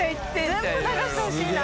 岡田）全部流してほしいな。